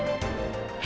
ini ada apa sih